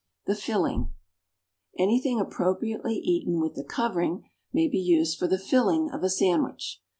=The Filling.= Anything appropriately eaten with the covering may be used for the filling of a sandwich.